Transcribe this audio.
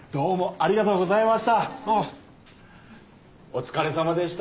ありがとうございます。